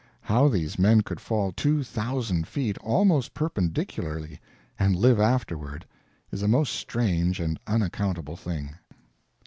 How these men could fall two thousand feet, almost perpendicularly, and live afterward, is a most strange and unaccountable thing.